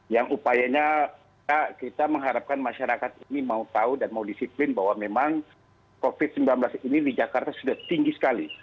yang upayanya kita mengharapkan masyarakat ini mau tahu dan mau disiplin bahwa memang covid sembilan belas ini di jakarta sudah tinggi sekali